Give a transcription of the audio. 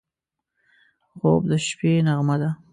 خوب د شپه نغمه ده